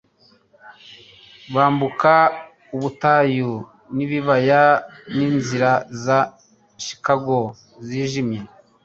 Bambuka ubutayu n'ibibaya n'inzira za Chicago zijimye